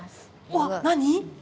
うわっ何！？